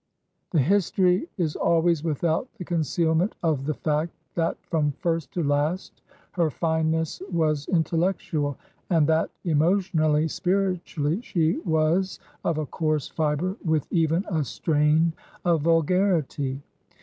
The history is always without the concealment of the fact that from first to last her fineness was intellectual, and that emotionally, spiritually, she was of a coarse fibre, with even a strain of vulgarity.